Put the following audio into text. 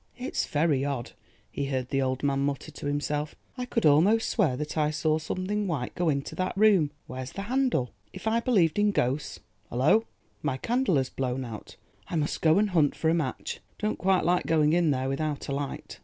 "It's very odd," he heard the old man mutter to himself; "I could almost swear that I saw something white go into that room. Where's the handle? If I believed in ghosts—hullo! my candle has blown out! I must go and hunt for a match. Don't quite like going in there without a light."